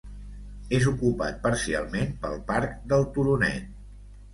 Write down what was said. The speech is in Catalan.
És ocupat parcialment pel parc del Turonet.